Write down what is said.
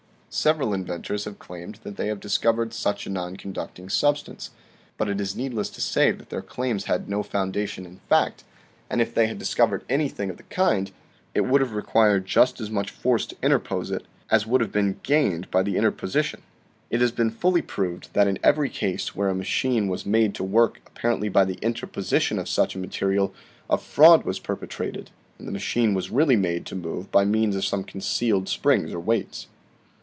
Several inventors have claimed that they had discovered such a non conduct ing substance, but it is needless to say that their claims had no foundation in fact, and if they had discovered anything of the kind, it would have required just as much force to interpose it as would have been gained by the interposi tion. It has been fully proved that in every case where a machine was made to work apparently by the interposition of such a material, a fraud was perpetrated and the machine was really made to move by means of some concealed springs or weights.